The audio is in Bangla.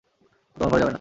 ও তোমার ঘরে যাবে না।